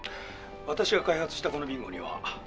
私が開発したこのビンゴには。